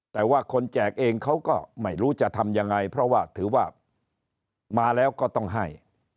แต่ว่าคนแจกเองเขาก็ไม่รู้จะทำยังไงเพราะว่าถือว่ามาแล้วก็ต้องให้